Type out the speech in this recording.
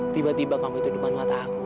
tiba tiba kamu itu depan mata aku